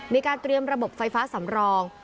มีการเตรียมระบบไฟฟ้าสำรอง